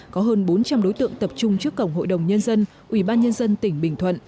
có hơn bốn trăm linh đối tượng tập trung trước cổng hội đồng nhân dân ủy ban nhân dân tỉnh bình thuận